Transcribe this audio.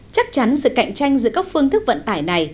chắc chắn sự cạnh tranh giữa các phương thức vận tải này